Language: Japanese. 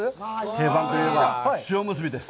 定番といえば、塩むすびです。